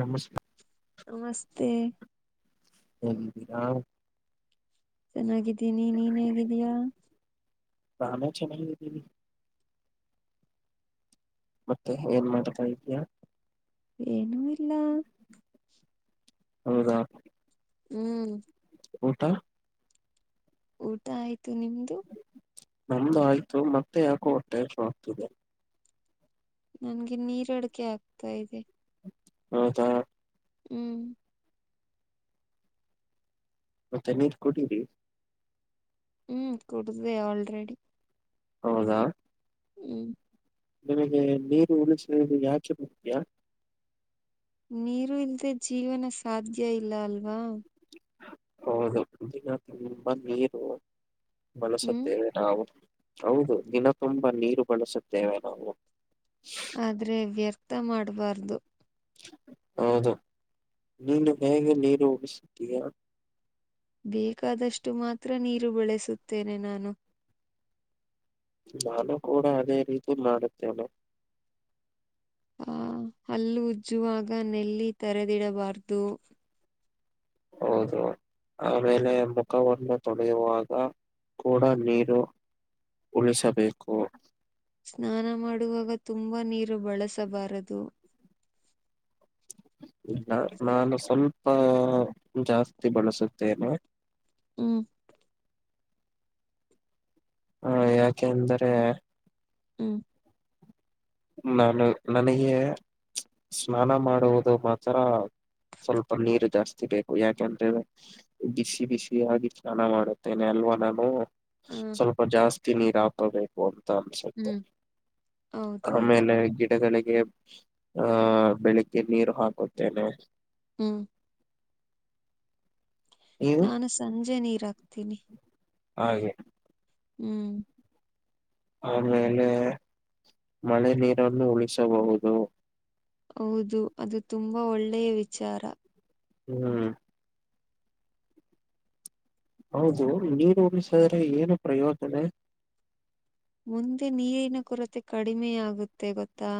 ನಮಸ್ ನಮಸ್ತೆ. ಹ್ಮ ಹಾ ಚೆನ್ನಾಗಿದ್ದೀನಿ ನೀನ್ ಹೇಗಿದ್ದೀಯಾ. ನಾನು ಚೆನ್ನಾಗಿದ್ದೀನಿ. ಮತ್ತೆ ಏನ್ ಮಾಡ್ತಾ ಇದ್ದೀಯಾ. ಏನೂ ಇಲ್ಲ ಹೌದಾ. ಹ್ಮ್. ಊಟ. ಊಟ ಆಯ್ತು ನಿಮ್ದು. ನಮ್ದು ಆಯ್ತು ಮತ್ತೆ ಯಾಕೋ ಹೊಟ್ಟೆ ಹಸಿವು ಆಗ್ತಿದೆ. ನನ್ಗೆ ನೀರ್ ಅಡಕೆ ಆಗ್ತಾ ಇದೆ ಹೌದಾ ಹ್ಮ್ ಮತ್ತೆ ನೀರ್ ಕೊಡೀರಿ ಹ್ಮ್ ಕುಡದ ಆಲ್ರೆಡಿ ಹೌದಾ ಹ್ಮ್ ನಮಗೆ ನೀರು ಉಳಿಸ ಯಾಕೆ ಬರ್ತಯಾ ನೀರು ಇಲ್ದೆ ಜೀವನ ಸಾಧ್ಯ ಇಲ್ಲ ಅಲ್ವಾ ಹೌದು ದಿನ ತುಂಬಾ ನೀರು ಹ್ಮ್ ಬಳಸುತ್ತೇವೆ ನಾವು ಹೌದು ದಿನ ತುಂಬಾ ನೀರು ಬಳಸುತ್ತೇವೆ ನಾವು ಆದ್ರೆ ವ್ಯರ್ಥ ಮಾಡಬಾರ್ದು ಹೌದು ನೀನು ಹೇಗೆ ನೀರು ಉಳಿಸುತ್ತೀಯಾ ಬೇಕಾದಷ್ಟು ಮಾತ್ರ ನೀರು ಬಳಸುತ್ತೇನೆ ನಾನು ನಾನು ಕೂಡ ಅದೇ ರೀತಿ ಮಾಡುತ್ತೇನೆ ಆಹ ಹಲ್ಲು ಉಜ್ಜುವಾಗ ನೆಲ್ಲಿ ತರೆದಿಡಬಾರ್ದು ಹೌದು ಆಮೇಲೆ ಮುಖವನ್ನು ತೊಡೆಯುವಾಗ ಕೂಡ ನೀರು ಉಳಿಸಬೇಕು ಸ್ನಾನ ಮಾಡುವಾಗ ತುಂಬಾ ನೀರು ಬಳಸಬಾರದು ಇಲ್ಲ ನಾನು ಸ್ವಲ್ಪ ಜಾಸ್ತಿ ಬಳಸುತ್ತೇನೆ ಹ್ಮ್ ಹ ಯಕ ಅಂದರೆ ಹ್ಮ್ ನಾನು ನನಗೆ ಸ್ನಾನ ಮಾಡುವುದು ಮಾತ್ರ ಸ್ವಲ್ಪ ನೀರು ಜಾಸ್ತಿ ಬೇಕು ಯಾಕಂದ್ರೆ ಬಿಸಿ ಬಿಸಿಯಾಗಿ ಸ್ನಾನ ಮಾಡುತ್ತೇನೆ ಅಲ್ವ ನಾನು ಹ ಸ್ವಲ್ಪ ಜಾಸ್ತಿ ನೀರ ಹಾಪಬೇಕು ಅಂತ ಅನಿಸುತ್ತೆ ಹ್ಮ್ ಹೌದೌದು ಆಮೇಲೆ ಗಿಡಗಳಿಗೆ ಆಹ ಬೆಳಿಗ್ಗೆ ನೀರು ಹಾಕುತ್ತೇನೆ ಹ್ಮ್ ನೀವು ನಾನು ಸಂಜೆ ನೀರ ಹಾಕ್ತೀನಿ ಹಾಗೆ ಹ್ಮ್ ಆಮೇಲೆ ಮಳೆ ನೀರನ್ನು ಉಳಿಸಬಹುದು ಹೌದು ಅದು ತುಂಬಾ ಒಳ್ಳೆಯ ವಿಚಾರ ಹ್ಮ್ ಹೌದು ನೀನು ಉಡಿಸಿದ್ರೆ ಏನು ಪ್ರಯೋಜನ ಮುಂದೆ ನೀರಿನ ಕೊರತೆ ಕಡಿಮೆಯಾಗುತ್ತೆ ಗೊತ್ತಾ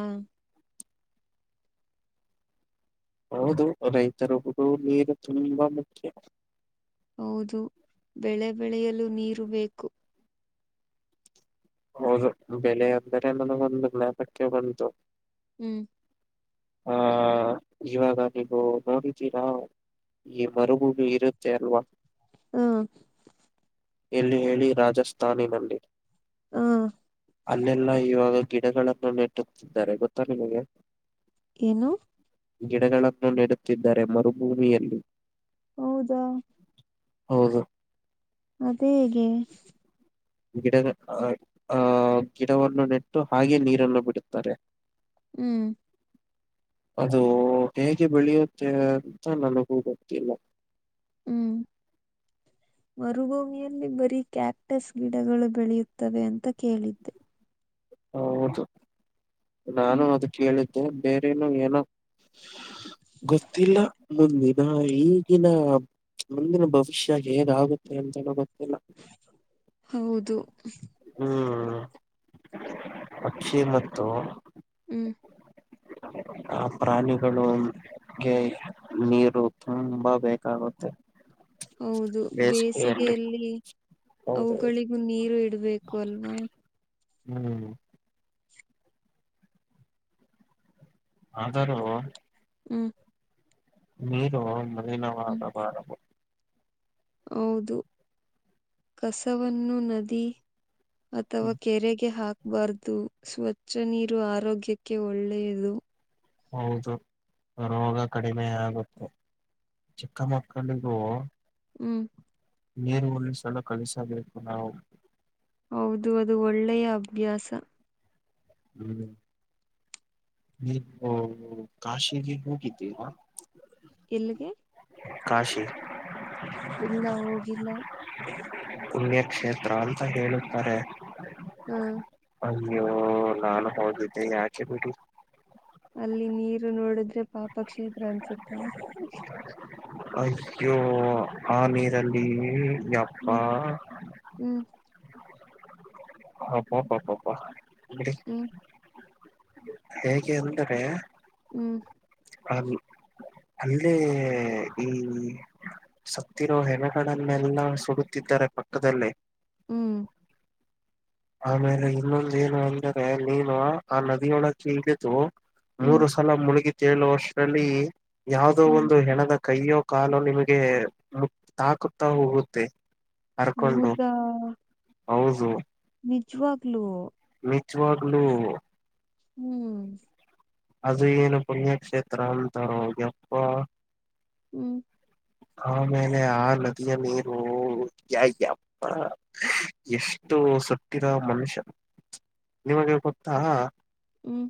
ಹೌದು ರೈತರುದು ನೀರು ತುಂಬಾ ಮುಖ್ಯ ಹೌದು ಬೆಳೆ ಬೆಳೆಯಲು ನೀರು ಬೇಕು ಹೌದು ಬೆಲೆ ಅಂದರೆ ನನಗೊಂದು ಜ್ಞಪಕ್ಕೆ ಬಂತು ಹ್ಮ್ ಹಾ ಇವಾಗ ನೀವು ನೋಡಿದ್ದೀರಾ ಈ ಮರುಭೂಮಿ ಇರುತ್ತೆ ಅಲ್ವಾ ಹ್ಮ ಎಲ್ಲಿ ಹೇಳಿ ರಾಜಸ್ಥಾನಿನಲ್ಲಿ ಹ್ಮ ಅಲ್ಲೆಲ್ಲಾ ಇವಾಗ ಗಿಡಗಳನ್ನು ನೆಟ್ಟುತ್ತಿದ್ದಾರೆ ಗೊತ್ತಾ ನಿಮಗೆ ಏನು ಗಿಡಗಳನ್ನು ನೆಡುತ್ತಿದ್ದಾರೆ ಮರುಭೂಮಿಯಲ್ಲಿ ಹೌದಾ ಹೌದು ಅದೇ ಏಗೆ ಗಿಡಗಳ ಆ ಗಿಡವನ್ನು ನೆಟ್ಟು ಹಾಗೆ ನೀರನ್ನು ಬಿಡುತ್ತಾರೆ. ಹ್ಮ್ ಅದು ಹೇಗೆ ಬೆಳೆಯುತ್ತೇವೆ ಅಂತ ನನಗೂ ಗೊತ್ತಿಲ್ಲ. ಹ್ಮ್ [unintelligible] ಮರುಭೂಮಿಯಲ್ಲಿ ಬರೀ ಕ್ಯಾಪ್ಟಸ್ ಗಿಡಗಳು ಬೆಳೆಯುತ್ತವೆ ಅಂತ ಕೇಳಿದ್ದೆ. ಹೌದು ನಾನು ಹ್ಮ್ ಅದು ಕೇಳಿದ್ದ್ ದ್ದ್ ಬೇರೆನೊ ಏನೋ ಗೊತ್ತಿಲ್ಲ ಮುಂದಿನ ಈಗಿನ ಮುಂದಿನ ಭವಿಷ್ಯ ಏನಾಗುತ್ತೆ ಅಂತನೂ ಗೊತ್ ಹೌದು ಹ್ಮ್ ಪಕ್ಷಿ ಮತ್ತು ಹ್ಮ್ [unintelligible] ಆ ಪ್ರಾಣಿಗಳು ಗೆ ನೀರು ತುಂಬಾ ಬೇಕಾಗುತ್ತೆ. ಹೌದು ಬೇಸಿಗೆಯಲ್ಲಿ ಹೌದೌದು ಅವುಗಳಿಗೂ ನೀರು ಇಡುಬೇಕು ಅಲ್ವಾ ಹ್ಮ್ ಆದರೂ ಹ್ಮ್ ನೀರು ಹ್ಮ್ ಮಾಲಿನವಾಗಬಾರದು ಹೌದು ಕಸವನ್ನು ನದಿ ಅಥವಾ ಕೆರೆಗೆ ಹಾಕ್ ಬರ್ದು ಸ್ವಚ್ಛ ನೀರು ಆರೋಗ್ಯಕ್ಕೆ ಒಳ್ಳೆಯದು. ಹೌದು ರೋಗ ಕಡಿಮೆಯಾಗುತ್ತೆ ಚಿಕ್ಕ ಮಕ್ಕಳಿಗೂ ಹ್ಮ್ ನೀರು ಉಳಿಸಲು ಕಲಿಸಬೇಕು ನಾವು ಹೌದು ಅದು ಒಳ್ಳೆಯ ಅಭ್ಯಾಸ. ಹ್ಮ್ ನೀವು ಕಾಶಿಗೆ ಹೋಗಿದ್ದಿರಾ. ಎಲ್ಲ್ಗೆ ಕಾಶಿ ಇಲ್ಲ ಹೋಗಿಲ್ಲ ಪುಣ್ಯಕ್ಷೇತ್ರ ಅಂತ ಹೇಳುತ್ತಾರೆ. ಹ್ಮ ಅಯ್ಯೋ ನಾನು ಹೋಗಿದ್ದೆ ಯಾಕೆ ಬಿಡಿ. ಅಲ್ಲಿ ನೀರು ನೋಡದ್ರೆ ಪಾಪಕ್ಷೇತ್ರ ಅನ್ಸುತ್ತ ಅಯ್ಯೋ ಆಗ ನೀರಲ್ಲಿ ಯಾಪ್ಪ ಹ್ಮ್ ಹ್ಮ್ ಅಬ್ಬಬಬ್ಬ ಹ್ಮ್ ಹೇಗೆ ಅಂದಾರೆ ಹ್ಮ್ ಅ ಅಲ್ಲೇ ಈ ಸತ್ತಿರೋ ಹೆಣಗಳನ್ನೆಲ್ಲ ಸುಡುತ್ತಿದ್ದರ ಪಕ್ಕದಲ್ಲೇ ಹ್ಮ್ ಆಮೇಲೆ ಇನ್ನೊಂದು ಏನು ಅಂದರೆ ನೀನು ಆ ನದಿಯೊಳಕ್ಕೆ ಇಳಿದು ಹ್ಮ್ ಮೂರು ಸಲ ಮುಳುಗಿ ತೇಳುವಷ್ಟರಲ್ಲಿ ಯಾವುದೋ ಹ್ಮ್ ಒಂದು ಹೆಣದ ಕೈಯೋ ಕಾಲೋ ನಿಮಗೆ ತಾಕುತ್ತಾ ಹೋಗುತ್ತೆ. ಅರ್ಕೊಂಡು ಹೌದಾ ಹೌದು ನಿಜವಾಗ್ಲೂ ನಿಚ್ಚವಾಗ್ಲುೂ ಹ್ಮ್ ಅದು ಏನು ಪುಣ್ಯಕ್ಷೇತ್ರ ಅಂತಾರ ಯಪ್ಪ ಹ್ಮ್ ಹಾ ಮ ಆ ನದಿಯ ಮರು ಯಪ್ಪ ಯ ಇದು ಸುಟ್ಟಿದ ಮನುಷ್ಯ ನಿಮಗೆ ಗೊತ್ತಾ ಹ್ಮ್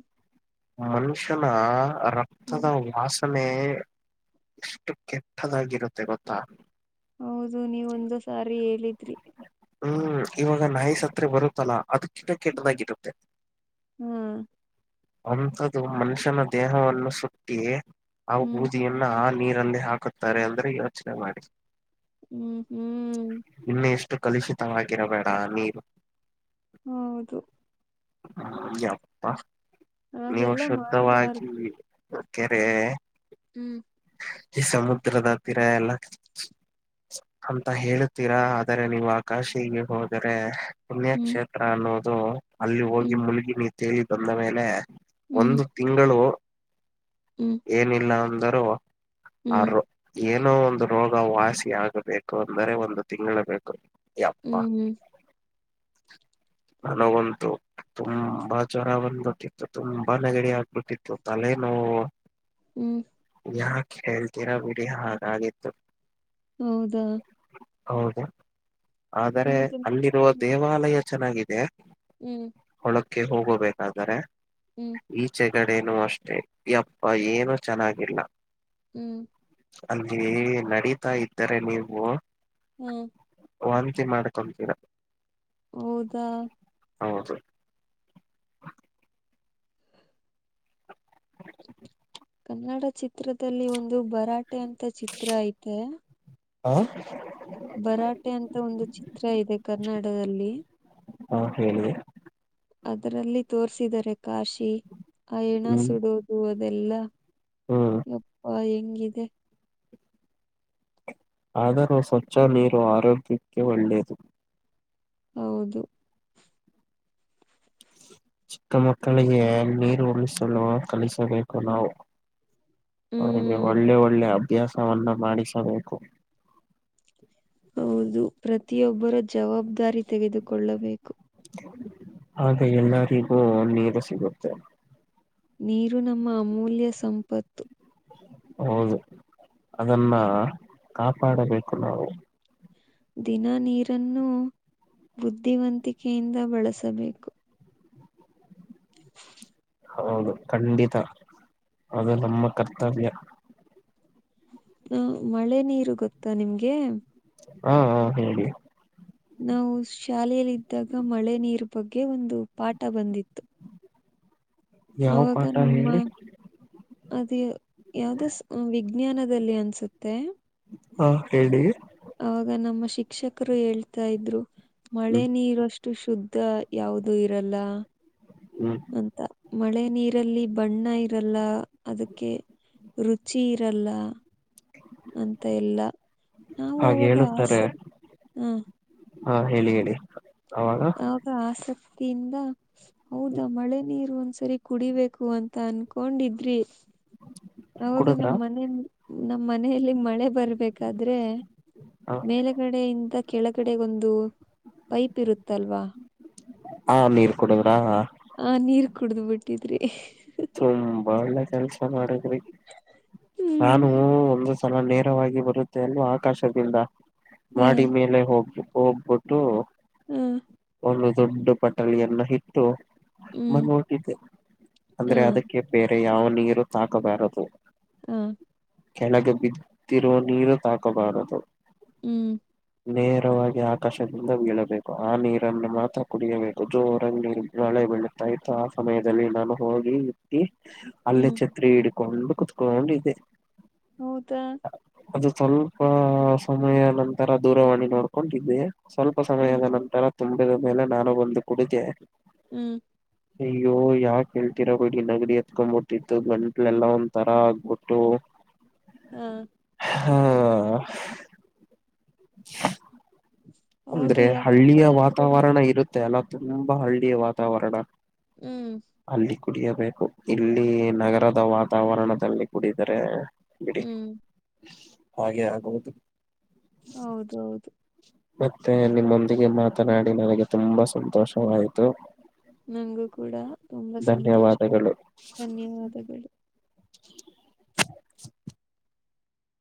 ಮನುಷ್ಯನ ರಕ್ತದ ಹ್ಮ್ ವಾಸನೆ ಎಷ್ಟು ಕೆಟ್ಟದಾಗಿರುತ್ತೆ ಗೊತ್ತಾ ಹೌದು ನೀವು ಒಂದು ಸಾರಿ ಹೇಳಿದ್ರಿ ಹ್ಮ್ ಇವಾಗ ನಾಯಿಸ್ತ್ತ ಬರುತ್ತಲ್ಲಾ ಅದುಕ್ಕಿಡ ಕೆಟ್ಟದಾಗಿರುತ್ತೆ ಹ್ಮ್ ಅಂಥ್ದು ಮನುಷ್ಯನ ದೇಹವನ್ನು ಸುಟ್ಟಿ ಆ ಹ್ಮ್ ಬೂದಿಯನ್ನು ಹ ನೀರಂದೇ ಹಾಕುತ್ತಾರೆ ಅಂದ್ರೆ ಯೋಚನೆ ಮಾಡಿ ಹ್ಮ್ ಹ್ಮ್ ಇನ್ನು ಎಷ್ಟು ಕಲುಷಿತವಾಗಿರಬೇಡ ನೀರು ಹೌದು ಪ್ಪ ನೀವು ಹಾಗೆಲ್ಲ ಶುದ್ಧವಾಗಿ ಮಾಡಬಾರ್ದು ಕೆರೆ ಹ್ಮ್ ಈ ಸಮ ದತ್ತಿರ [unintelligible] ಎಲ್ಲ ಅಂತ ಹೇಳ ತೀರಾ ಆದರೆ ನೀವು ಆಕಾಶಿಗೆ ಹೋದರೆ ಹ್ಮ್ ಪುಣ್ಯಕ್ಷೇತ್ರ ಅನ್ನೋದು ಅಲ್ಲಿ ಹೋಗಿ ಹ್ಮ್ ಮುಲಗಿ ನೀ ತೇಲಿ ಬಂದ ಮೇಲೆ ಹ್ಮ್ ಒಂದು ತಿಂಗಳು ಹ್ಮ್ ಏನಿಲ್ಲ ಅಂದರುೂ ಹ್ಮ್ ಆರು ಏನೋ ಒಂದು ರೋಗ ವಾಸಿ ಆಗಬೇಕು ಅಂದರೆ ಒಂದು ತಿಂಗಳು ಬೇಕು ಯಪ್ಪ ಹ್ಮ್ ಹ್ಮ್ ನನಗಂತು ತುಂಬಾ ಜ್ವರ ಬಂದ್ಬಿಟ್ಟಿತ್ತು ತುಂಬಾ ನೆಗಡಿ ಆಗ್ಬಿಟ್ಟಿತ್ತು ತಲೆ ನೋವು ಹ್ಮ್ ಯಾ ಹೇಳ್ತೀರಾ ಬಿಡಿ ಹಾಗಾಗಿತ್ತು ಹೌದಾ ಹೌದು ಆದರೆ ನಿಮಗೆ ಅಲ್ಲಿರುವ ಹ್ಮ್ ದೇವಾಲಯ ಚೆನ್ನಾಗಿದೆ ಹ್ಮ್ ಹೋಗಬೇಕಾದರೆ ಹ್ಮ್ ಈಚ ಎಳಗಡೆನೂ ಅಷ್ಟೇ ಯಪ್ಪ ಏನುೂ ಚೆನ್ನಾಗಿಲ್ಲ ಹ್ಮ್ ಅಲ್ಲಿ ನಡೀತಾ ಇದ್ದರೆ ನೀವು ಹ್ಮ್ ವಾಂತಂತಿ ಮಾಡ್ಕೊಂತೀರ ಹೌದಾ ಹೌದು ಕನ್ನಡ ಚಿತ್ರದಲ್ಲಿ ಒಂದು ಭರಾಟೆ ಅಂತ ಚಿತ್ರ ಐತೆ ಹಾ ಬರಾಟೆ ಅಂತ ಒಂದು ಚಿತ್ರ ಇದೆ ಕನ್ನಡದಲ್ಲಿ ಹಾ ಹೇಳಿ ಅದರಲ್ಲಿ ತೋರ್ಸಿದಿದ್ದಾರೆ ಕಾಶಿ ಆ ಹೆಣ ಹ್ಮ್ ಸುಡೋದು ಅದೆಲ್ಲ ಹ್ಮ್ ಅಪ್ಪಾ ಹೆಂಗಿದೆ ಆದರೂ ಸ್ವಚ್ಛ ನೀರು ಆರೋಗ್ಯಕ್ಕೆ ಒಳ್ಳೆಯದು ಹೌದು ಚಿಕ್ಕ ಮಕ್ಕಳಿಗೆ ನೀರು ಉಳಿಸಲು ಕಲಿಸಬೇಕು ನಾವು ಅವರಿಗೆ ಹ್ಮ್ ಒಳ್ಳೆ ಒಳ್ಳೆ ಅಭ್ಯಾಸವನ್ನು ಮಾಡಿಸಬೇಕು ಹೌದು ಪ್ರತಿಯೊಬ್ಬರ ಜವಾಬ್ದಾರಿ ತೆಗೆದುಕೊಳ್ಳಬೇಕು. ಹಾಗೆ ಎಲ್ಲರಿಗೂ ನೀರು ಸಿಗುತ್ತೆ. ನೀರು ನಮ್ಮ ಅಮೂಲ್ಯ ಸಂಪತ್ತು. ಹೌದು ಅದನ್ನ ಕಾಪಾಡಬೇಕು ನಾವು. ದಿನ ನೀರನ್ನು ಬುದ್ಧಿವಂತಿಕೆಯಿಂದ ಬಳಸಬೇಕು. ಹೌದು ಖಂಡಿತ ಅದು ನಮ್ಮ ಕರ್ತವ್ಯ. ಹ ಮಳೆ ನೀರು ಗೊತ್ತಾ ನಿಮ್ಗೆ. ಹಾ ಹಾ ಹೇಳಿ ನಾವು ಶಾಲೆಯಲ್ಲಿದ್ದಾಗ ಮಳೆ ನೀರು ಬಗ್ಗೆ ಒಂದು ಪಾಠ ಬಂದಿತ್ತು. ಯಾವ ಅವಾಗ ಪಾಠ ನಮ್ಮ ಹೇಳಿ ಅದು ಯಾವ್ದ ವಿಜ್ಞಾನದಲ್ಲಿ ಅನ್ಸುತ್ತೆ. ಹಾ ಹೇಳಿ ಅವಾಗ ನಮ್ಮ ಶಿಕ್ಷಕರು ಹೇಳ್ತಾ ಇದ್ರು ಮಳೆ ಹ್ಮ್ ನೀರಷ್ಟು ಶುದ್ ದ್ದ ಯಾವ್ದು ಇರಲ್ಲ ಹ್ಮ್ ಅಂತ ಮಳೆ ನೀರಲ್ಲಿ ಬಣ್ಣ ಇರಲ್ಲ ಅದಕ್ಕೆ ರುಚಿ ಇರಲ್ಲ ಅಂತ ಇಲ್ಲ ನಾವು ಹಾಗೆ ಅವಾಗ ಹೇಳುತ್ತಾರೆ ಆಸಕ್ ಹ ಹಾ ಹೇಳಿ ಹೇಳಿ ಅವಾಗ ಆಗ ಆಸಕ್ತಿಯಿಂದ ಹೌದಾ ಮಳೆ ನೀರು ವಂ ಸರಿ ಕುಡಿಬೇಕು ಅಂತ ಅನ್ಕೊಂಡಿದ್ರಿ ಅವಾಗ ಕುಡುದ್ರ ನಮ್ಮ್ ಮನೆ ನಮ್ಮ್ ಮನೆಯಲ್ಲಿ ಮಳೆ ಬರ್ಬೇಕಾದ್ರೆ ಹಾ ಮೇಲಗಡೆಯಿಂದ ಕೆಳಗಡೆಗೊಂದು ಪೈಪ್ ಇರುತ್ತಲ್ವಾ ಆ ನೀರ್ ಕುಡುದ್ರಾ ಆ ನೀರ್ ಕುಡ್ದ್ ಬಿಟ್ಟಿದ್ರಿ ತುಂಬಾ ಒಳ್ಳೆ ಕೆಲ್ಸ ಮಾಡಿದ್ರಿ ಹ್ಮ್ ನಾನು ಒಂದು ಸಲ ನೇರವಾಗಿ ಬರುತ್ತೆ ಅಲ್ಲ ಆಕಾಶದಿಂದ ಹ ಮಾಡಿ ಮೇಲೆ ಹೋಗಿ ಹೋಗ್ಬಿಟ್ಟು ಹ್ಮ್ ಒಂದು ದೊಡ್ಡ ಪಟಳಿಯನ್ನ ಇಟ್ಟು ಹ್ಮ್ ಮಂದಟ್ಟಿದ್ದೆ ಹ ಅಂದ್ರೆ ಅದಕ್ಕೆ ಬೇ ರೇ ಯಾವ ನೀರು ತಾಕಬಾರದು ಹಾ ಕೆಳಗೆ ಬಿದ್ದಿರುವ ನೀರು ತಾಕಬಾರದು ಹ್ಮ್ ನೇರವಾಗಿ ಆಕಾಶದಿಂದ ಬೀಳಬೇಕು ಆ ನೀರನ್ನು ಮಾತ್ರ ಕುಡಿಯಬೇಕು ಜೋರಂಗ್ ಮಳೆ ಬೀಳುತ್ತಾ ಇತ್ತು ಆ ಸಮಯದಲ್ಲಿ ನಾನು ಹೋಗಿ ಇಟ್ಟಿ ಅಲ್ಲೇ ಹ್ಮ್ ಛತ್ರಿ ಹಿಡ್ಕೊಂಡು ಕುತ್ಕೊಂಡಿದ್ದೆ ಹೌದಾ ಅದು ಸ್ವಲ್ಪ ಸಮಯ ನಂತರ ದೂರವಾಣಿ ನೋಡ್ಕೊಂಡಿದ್ದೆ. ಸ್ವಲ್ಪ ಹ್ಮ್ ಸಮಯದ ನಂತರ ತುಂಬಿದ ಮೇಲೆ ನಾನು ಬಂದು ಕುಡಿದೆ. ಹ್ಮ್ ಅಯ್ಯೋ ಯಾ ಕೇಳ್ತಿರ ಬಿಡಿ ನಗಡಿ ಎತ್ಕೊಬಿಟ್ಟಿತ್ತು ಗಂಟ್ಲೆಲ್ಲಾ ಒಂದ ತರಾ ಆಗ್ಬಿಟ್ಟು ಹಾ ಹಾ ಹೌದು ಅಂದ್ರೆ ಹಳ್ಳಿಯ ಯಾಕಂದ್ರೆ ಅದ್ರಲ್ಲಿ ವಾತಾವರಣ ಇರುತ್ತೆ ಅಲ್ಲ ತುಂಬಾ ಹಳ್ಳಿಯ ವಾತಾವರಣ. ಹ್ಮ್ ಅಲ್ಲಿ ಕುಡಿಯಬೇಕು ಇಲ್ಲಿ ನಗರದ ವಾತಾವರಣದಲ್ಲಿ ಕುಡಿದರೆ ಬಿಡಿ ಹ್ಮ್ ಹಾಗೆ ಆಗುವುದು ಹೌದ ಹೌದು ಮತ್ತೆ ನಿಮ್ಮೊಂದಿಗೆ ಮಾತನಾಡಿ ನನಗೆ ತುಂಬಾ ಸಂತೋಷವಾಯ್ತು. ನನ್ಗೂ ಕೂಡ ತುಂಬಾ ಸಂತೋಷ ಧನ್ಯವಾದಗಳು ಧನ್ಯವಾದಗಳು